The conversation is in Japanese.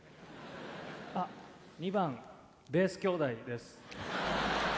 あっ２番ベース兄弟です。